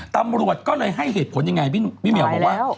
ตำรวจก็เลยให้เหตุผลยังไงพี่เหมียวบอกว่า